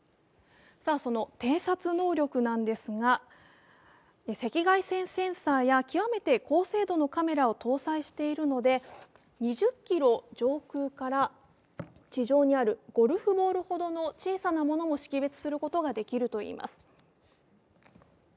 その偵察能力なんですが赤外線センサーや極めて高精度のカメラを搭載しているので２０ｋｍ上空から地上にあるゴルフボールほどの小さなものも識別することができるといいます。